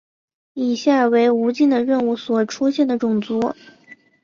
以下为无尽的任务所出现的种族。